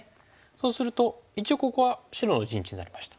そうすると一応ここは白の陣地になりました。